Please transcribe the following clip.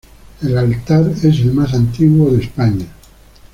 El altar es el más antiguo de España.